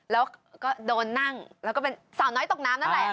แล้วก็โดนนั่งแล้วก็เป็นสาวน้อยตกน้ำนั่นแหละ